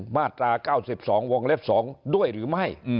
มาตรา๙๒วงเล็บ๒ด้วยหรือไม่